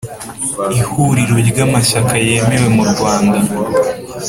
ihuriro ry'amashyaka yemewe mu rwanda.